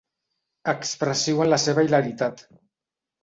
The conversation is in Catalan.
Expressiu en la seva hilaritat.